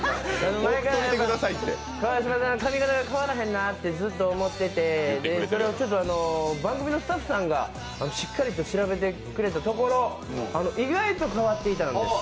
前から川島さん髪形変わらへんなと思っててそれをちょっと番組のスタッフさんがしっかりと調べてくれたところ意外と変わっていたんです。